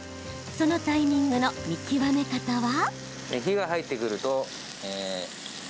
そのタイミングの見極め方は？